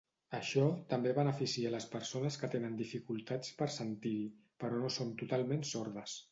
Això també beneficia les persones que tenen dificultats per sentir-hi, però que no són totalment sordes.